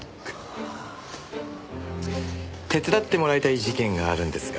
手伝ってもらいたい事件があるんですが。